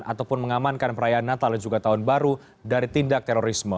ataupun mengamankan perayaan natal dan juga tahun baru dari tindak terorisme